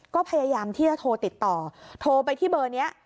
ก็พยายามที่จะโทรติดต่อโทรไปที่เบอร์นี้